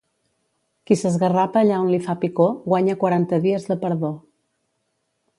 Qui s'esgarrapa allà on li fa picor, guanya quaranta dies de perdó.